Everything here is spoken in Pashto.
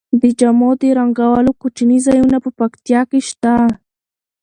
د جامو د رنګولو کوچني ځایونه په پکتیا کې شته.